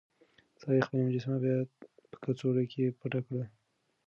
سړي خپله مجسمه بيا په کڅوړه کې پټه کړه.